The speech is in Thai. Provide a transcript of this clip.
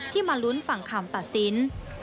มาลุ้นฟังคำตัดสิน